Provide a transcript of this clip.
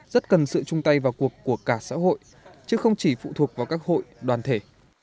rất cần sự chung tay vào cuộc của cả xã hội chứ không chỉ phụ thuộc vào các hội đoàn thể